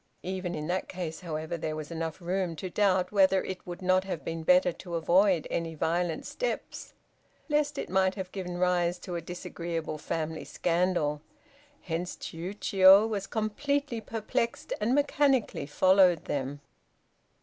Even in that case, however, there was enough room to doubt whether it would not have been better to avoid any violent steps lest it might have given rise to a disagreeable family scandal, hence Chiûjiô was completely perplexed and mechanically followed them.